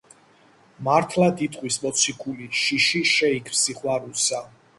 მართლად იტყვის მოციქული: შიში შეიქმს სიყვარულსა